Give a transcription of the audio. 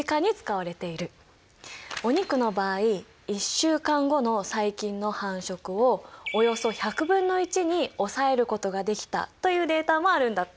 お肉の場合１週間後の細菌の繁殖をおよそ１００分の１に抑えることができたというデータもあるんだって。